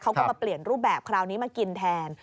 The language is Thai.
เขาก็มาเปลี่ยนรูปแบบคราวนี้มากินแทน